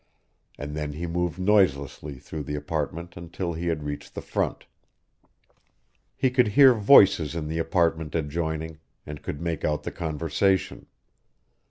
And then he moved noiselessly through the apartment until he had reached the front. He could hear voices in the apartment adjoining, and could make out the conversation.